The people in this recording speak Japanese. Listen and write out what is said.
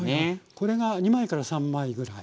これが２枚から３枚ぐらい。